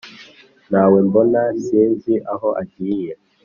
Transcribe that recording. nta we mbona sinzi aho agiye